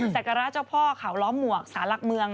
สักการะเจ้าพ่อเขาล้อมหมวกสารหลักเมือง